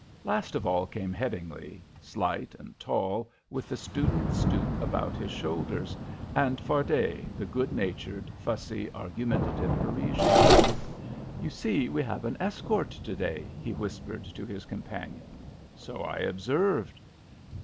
Last of all came Headingly, slight and tall, with the student stoop about his shoulders, and Fardet, the good natured, fussy, argumentative Parisian. "You see we have an escort to day," he whispered to his companion. "So I observed."